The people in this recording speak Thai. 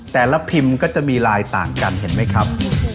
พิมพ์ก็จะมีลายต่างกันเห็นไหมครับ